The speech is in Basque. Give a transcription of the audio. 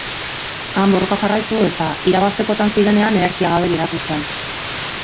Han borroka jarraitu eta irabaztekotan zirenean energia gabe geratu zen.